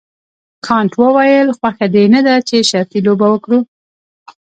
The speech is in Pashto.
کانت وویل خوښه دې نه ده چې شرطي لوبه وکړو.